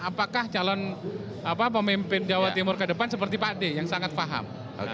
apakah calon pemimpin jawa timur ke depan seperti pak d yang sangat paham